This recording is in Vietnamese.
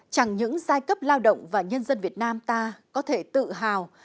chẳng những giai cấp lao động và nhân dân việt nam ta có thể tự hào